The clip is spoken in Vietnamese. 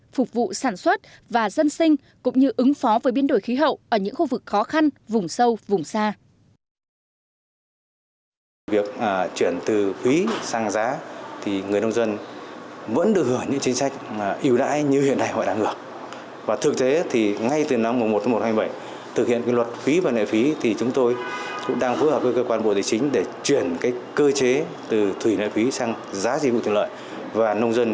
phục vụ sản xuất và dân sinh cũng như ứng phó với biến đổi khí hậu ở những khu vực khó khăn vùng sâu vùng xa